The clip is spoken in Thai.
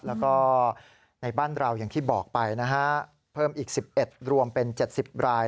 แล้วก็ในบ้านเราอย่างที่บอกไปนะฮะเพิ่มอีก๑๑รวมเป็น๗๐ราย